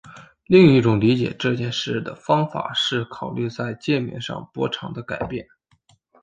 另一种理解这件事的方法是考虑在界面上波长的改变。